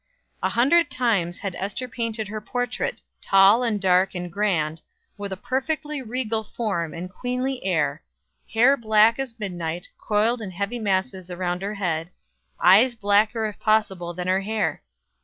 A hundred times had Ester painted her portrait tall and dark and grand, with a perfectly regal form and queenly air, hair black as midnight, coiled in heavy masses around her head, eyes blacker if possible than her hair.